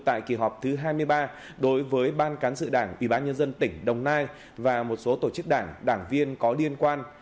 tại kỳ họp thứ hai mươi ba đối với ban cán sự đảng ủy ban nhân dân tỉnh đồng nai và một số tổ chức đảng đảng viên có liên quan